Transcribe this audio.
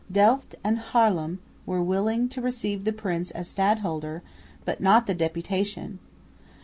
Delft and Haarlem were willing to receive the prince as stadholder, but not the deputation.